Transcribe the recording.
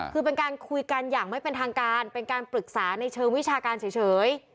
คือเป็นการคุยกันอย่างไม่เป็นทางการเป็นการปรึกษาในเชิงวิชาการเฉย